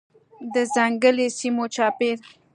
د ځنګلي سیمو چاپیر